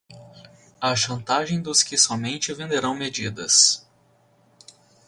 A chantagem dos que somente venderão medidas